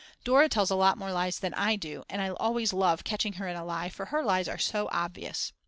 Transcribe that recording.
Dora tells a lot more lies than I do and I always love catching her in a lie for her lies are so obvious.